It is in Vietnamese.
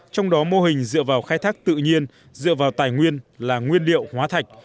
trong đó mô hình dựa vào khai thác tự nhiên dựa vào tài nguyên là nguyên liệu hóa thạch